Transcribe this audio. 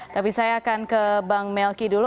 tapi saya akan ke bang melki dulu